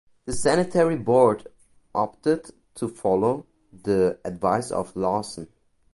The Sanitary Board opted to follow the advice of Lowson.